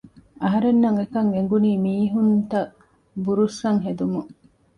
އަހަރެންނަށް އެކަން އެނގުނީ މީހުންތައް ބުރުއްސަން ހެދުމުން